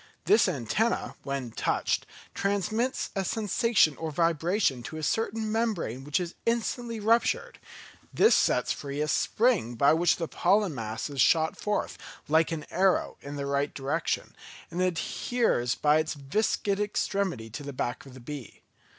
This antenna, when touched, transmits a sensation or vibration to a certain membrane which is instantly ruptured; this sets free a spring by which the pollen mass is shot forth, like an arrow, in the right direction, and adheres by its viscid extremity to the back of the bee.